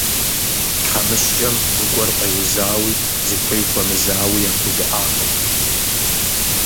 Тхьэмыщкӏэм зыгуэр къеузауи, зыхуей хуэмызауи яхужыӀакъым.